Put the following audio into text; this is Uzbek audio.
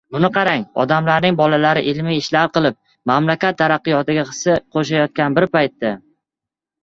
“Buni qarang, odamlarning bolalari ilmiy ishlar qilib, mamlakat taraqqiyotiga hissa qo‘shayotgan bir paytda